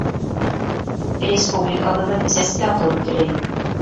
Республикабыҙҙың сәскә атыуын теләйем!